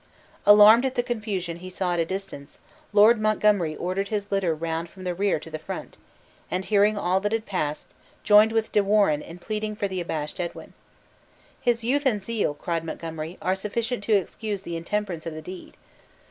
Alarmed at the confusion he saw at a distance, Lord Montgomery ordered his litter round from the rear to the front, and hearing all that had passed, joined with De Warenne in pleading for the abashed Edwin. "His youth and zeal," cried Montgomery, "are sufficient to excuse the intemperance of the deed."